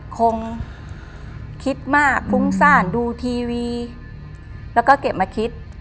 คงคิดมากฟุ้งซ่านดูทีวีแล้วก็เก็บมาคิด